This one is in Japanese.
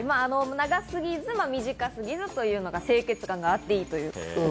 長すぎず、短すぎずというのが清潔感があっていいと。